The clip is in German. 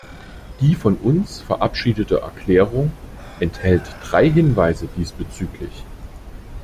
Die von uns verabschiedete Erklärung enthält drei Hinweise diesbezüglich.